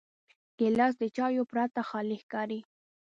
ګیلاس د چایو پرته خالي ښکاري.